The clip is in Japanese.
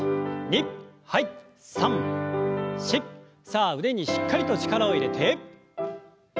さあ腕にしっかりと力を入れて。